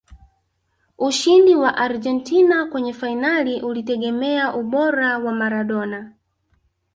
ushindi wa argentina kwenye fainali ulitegemea ubora wa maradona